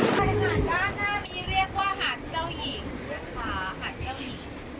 โปรดติดตามต่อไป